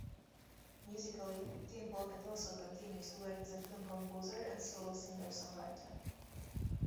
Musically, Tim Polecat also continues to work as a film composer and solo singer-songwriter.